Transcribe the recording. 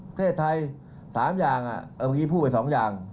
ประเทศไทย๓อย่างเมื่อกี้พูดไป๒อย่าง